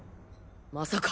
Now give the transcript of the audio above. まさか。